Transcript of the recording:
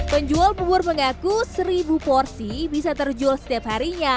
penjual bubur mengaku seribu porsi bisa terjual setiap harinya